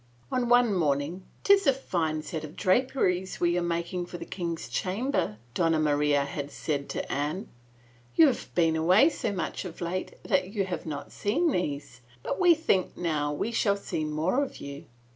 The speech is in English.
On one morning, Tis a fine set of tapestries we are making for the king's chamber," Donna Maria had said to Anne. "You have been away so much of late that you have not seen these, but we think now we shall see more of you."